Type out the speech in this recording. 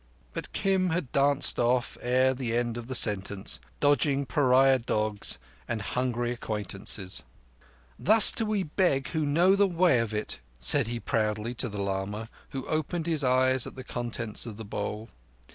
But Kim had danced off ere the end of the sentence, dodging pariah dogs and hungry acquaintances. "Thus do we beg who know the way of it," said he proudly to the lama, who opened his eyes at the contents of the bowl.